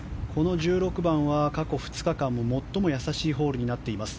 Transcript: １６番は過去２日間、最もやさしいホールになっています。